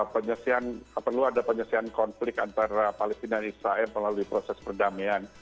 penyelesaian perlu ada penyesuaian konflik antara palestina dan israel melalui proses perdamaian